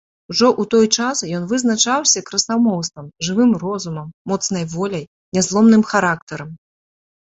Ужо ў той час ён вызначаўся красамоўствам, жывым розумам, моцнай воляй, нязломным характарам.